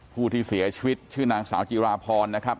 ผู้ที่เสียชีวิตชื่อนางสาวจิราพรนะครับ